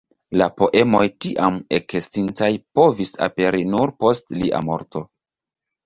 Lia poemoj tiam ekestintaj povis aperi nur post lia morto.